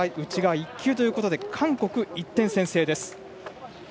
１球ということで韓国、１点先制。